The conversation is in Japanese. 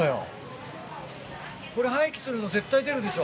これ廃棄するの絶対出るでしょ。